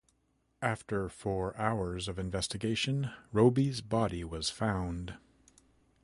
After four hours of investigation, Robie's body was found.